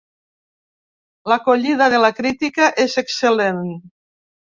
L'acollida de la crítica és excel·lent.